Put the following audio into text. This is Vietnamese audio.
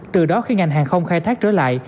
từ đó khi ngành hàng không khai thác trở lại